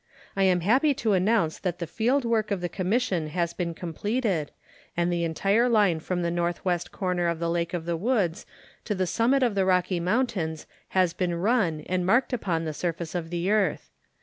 I am happy to announce that the field work of the commission has been completed, and the entire line from the northwest corner of the Lake of the Woods to the summit of the Rocky Mountains has been run and marked upon the surface of the earth.